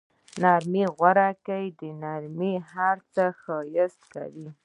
نرمي غوره کړه، نرمي هر څه ښایسته کوي.